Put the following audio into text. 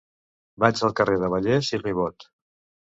Vaig al carrer de Vallès i Ribot.